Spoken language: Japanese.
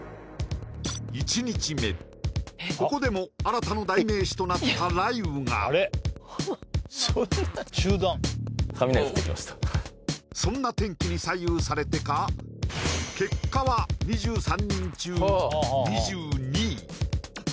ここでも荒田の代名詞となった雷雨がそんな中断そんな天気に左右されてか結果は２３人中２２位